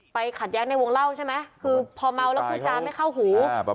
ไปขาดแยกในวงเหล้าใช่มั้ยคือพอเมาแล้วคุยจาไม่เข้าหู